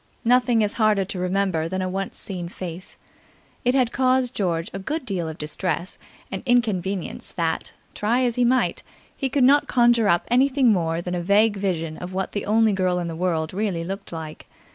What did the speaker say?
Nothing is harder to remember than a once seen face. It had caused George a good deal of distress and inconvenience that, try as he might, he could not conjure up anything more than a vague vision of what the only girl in the world really looked like.